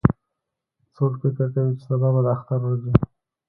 څوک فکر کوي چې سبا به د اختر ورځ وي